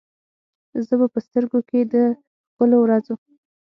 زه به په سترګو کې، د ښکلو ورځو،